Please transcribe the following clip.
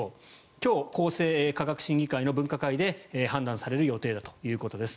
今日、厚生科学審議会の分科会で判断される予定だということです。